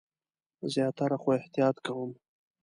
زیاتره، خو احتیاط کوم